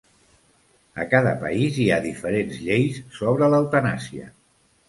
A cada país hi ha diferents lleis sobre l'eutanàsia.